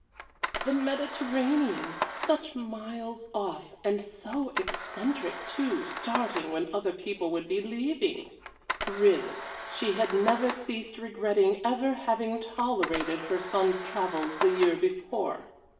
The Mediterranean! Such miles off and so eccentric, too, starting when other people would be leaving! Really, she had never ceased regretting ever having tolerated her son's travels the year before.